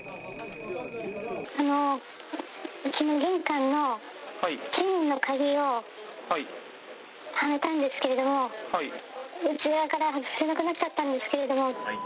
あの、うちの玄関のチェーンの鍵をはめたんですけれども、内側から外せなくなっちゃったんですけれども。